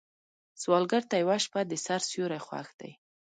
سوالګر ته یوه شپه د سر سیوری خوښ دی